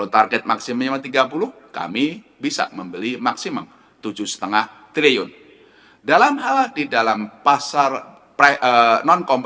untuk itu bank jdang terus mendorong digitalisasi layanan g charge